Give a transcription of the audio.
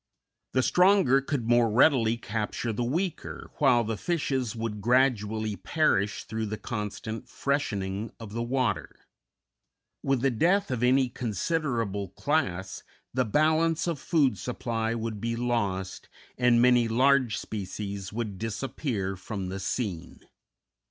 The stronger could more readily capture the weaker, while the fishes would gradually perish through the constant freshening of the water. With the death of any considerable class, the balance of food supply would be lost, and many large species would disappear from the scene.